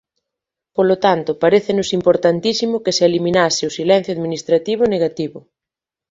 Polo tanto, parécenos importantísimo que se eliminase o silencio administrativo negativo.